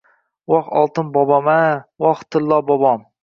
Oh oltin bobom-a, voh tillo bobom.